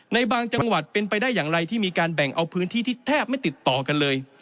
ในบางจังหวัดเป็นไปได้อย่างไรที่มีการแบ่งเอาพื้นที่ที่แทบไม่ติดต่อกันเลย